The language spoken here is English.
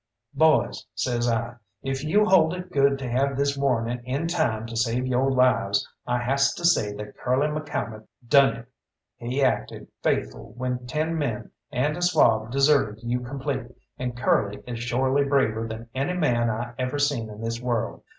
"Boys," says I, "if you hold it good to have this warning in time to save yo' lives, I has to say that Curly McCalmont done it. He acted faithful when ten men and a swab deserted you complete, and Curly is shorely braver than any man I ever seen in this world.